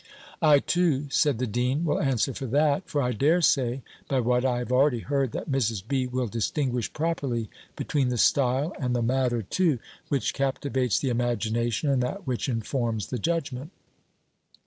"I too," said the dean, "will answer for that; for I dare say, by what I have already heard, that Mrs. B. will distinguish properly between the style (and the matter too) which captivates the imagination, and that which informs the judgment."